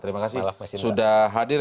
terima kasih sudah hadir